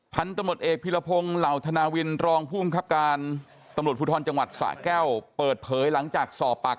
ก็เสียใจอยู่จ้า